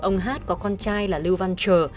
ông hát có con trai là lưu văn trờ